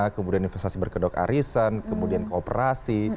kemudian investasi berkedok arisan kemudian kooperasi